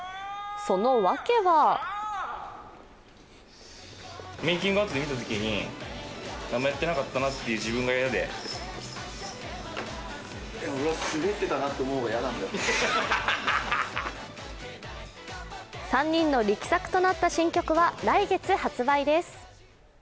そのわけは３人の力作となった新曲は来月発売です。